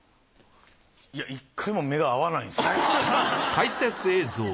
いや１回も目が合わない。